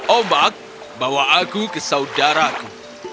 ombak bawa aku ke saudaraku